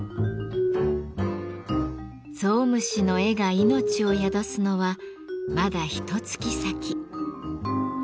ゾウムシの絵が命を宿すのはまだひとつき先。